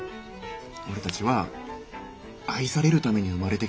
俺たちは愛されるために生まれてきたんだから。